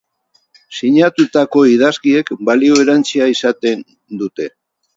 Sinatutako idazkiek balio erantsia izaten dute.